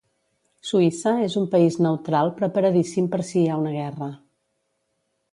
Suïssa és un país neutral preparadíssim per si hi ha una guerra.